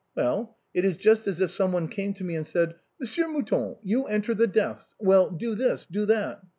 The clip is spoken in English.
Well, it is just as if someone came to me and said, 'Monsieur Mouton, you enter the deaths — well, do this, do that.'